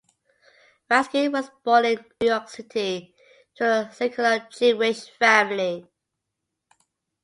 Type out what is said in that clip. Raskin was born in New York City to a secular Jewish family.